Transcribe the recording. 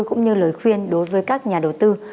xin cảm ơn những chia sẻ của luật sư